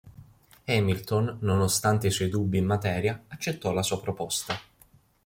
Hamilton, nonostante i suoi dubbi in materia, accettò la sua proposta.